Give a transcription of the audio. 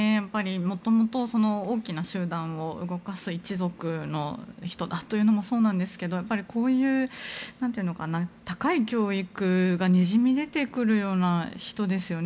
もともと、大きな集団を動かす一族の人だということもそうなんですがこういう高い教育がにじみ出てくるような人ですよね